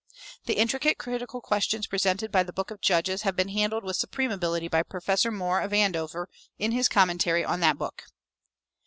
The intricate critical questions presented by the Book of Judges have been handled with supreme ability by Professor Moore, of Andover, in his commentary on that book.